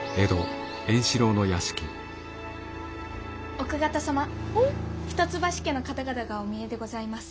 奥方様一橋家の方々がお見えでございます。